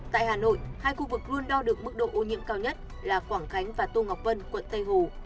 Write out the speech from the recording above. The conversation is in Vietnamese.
tại hà nội hai khu vực luôn đo được mức độ ô nhiễm cao nhất là quảng khánh và tô ngọc vân quận tây hồ